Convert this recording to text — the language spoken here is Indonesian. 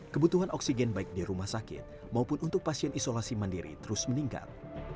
kebutuhan oksigen baik di rumah sakit maupun untuk pasien isolasi mandiri terus meningkat